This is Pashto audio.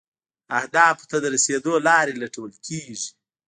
اهدافو ته د رسیدو لارې لټول کیږي.